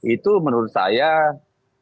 apa itu menurut saya itu menurut saya